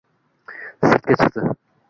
Sirtga chiqdi